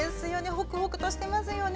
ホクホクとしてますよね。